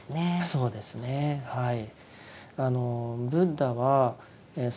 そうですねはい。